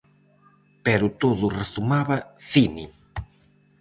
Pero todo rezumaba cine.